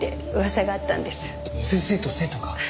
先生と生徒が？